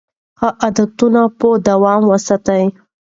ښه عادتونه په دوام وساتئ.